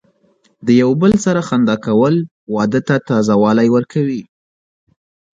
د یو بل سره خندا کول، واده ته تازه والی ورکوي.